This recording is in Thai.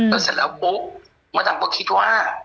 แล้วเสร็จแล้วปุ๊บมะดำก็คิดว่า